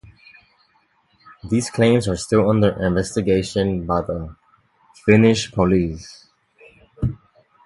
These claims are still under investigation by the Finnish police.